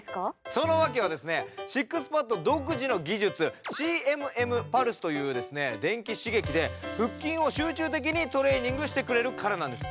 そのわけはＳＩＸＰＡＤの独自の技術、ＣＭＭパルスという電気刺激で腹筋を集中的にトレーニングしてくれるからなんです。